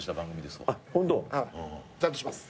ホント？ちゃんとします。